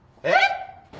えっ！？